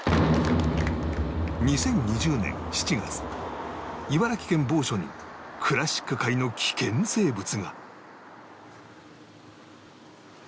２０２０年７月茨城県某所にクラシック界の危険生物が